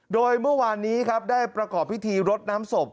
โดยเมื่อวานนี้ครับได้ประกอบพิธีรดน้ำศพ